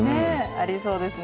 ありそうですね。